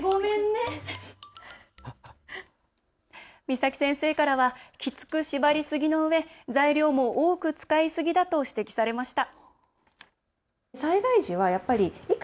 岬先生からはきつく縛りすぎのうえ材料も多く使いすぎだと指摘されました。